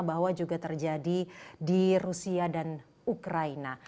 bahwa juga terjadi di rusia dan ukraina